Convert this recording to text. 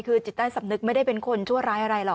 คือจิตใต้สำนึกไม่ได้เป็นคนชั่วร้ายอะไรหรอก